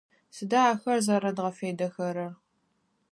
Сыда ахэр зэрэдгъэфедэхэрэр?